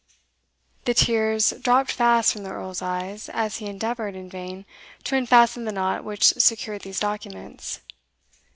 The tears dropped fast from the Earl's eyes, as he endeavoured, in vain, to unfasten the knot which secured these documents.